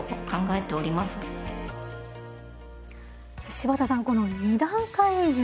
柴田さんこの二段階移住。